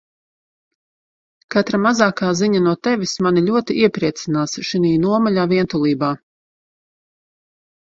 Katra mazākā ziņa no Tevis mani ļoti iepriecinās šinī nomaļā vientulībā.